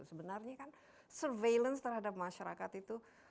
sebenarnya kan surveillance terhadap masyarakat itu